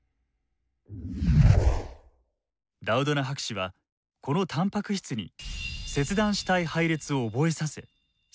ダウドナ博士はこのたんぱく質に切断したい配列を覚えさせ細胞に注入。